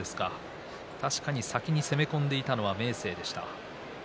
確かに先に攻め込んでいたのは明生でした。